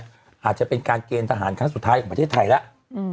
อาจจะเป็นการเกณฑ์ทหารครั้งสุดท้ายของประเทศไทยแล้ว